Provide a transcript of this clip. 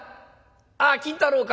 あっ金太郎か。